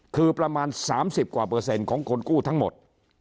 คือประมาณ๓๐กว่าเปอร์เซ็นต์ของคนกู้ทั้งหมด